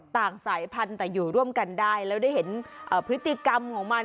สายพันธุ์แต่อยู่ร่วมกันได้แล้วได้เห็นพฤติกรรมของมัน